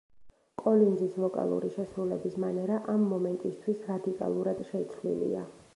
კოლინზის ვოკალური შესრულების მანერა ამ მომენტისთვის რადიკალურად შეცვლილია.